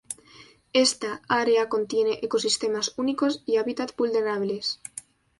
Esta área contiene ecosistemas únicos y hábitat vulnerables.